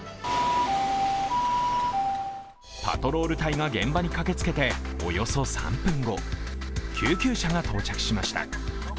パトロール隊が現場に駆けつけておよそ３分後、救急車が到着しました。